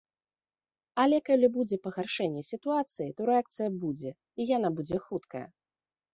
Але калі будзе пагаршэнне сітуацыі, то рэакцыя будзе, і яна будзе хуткая.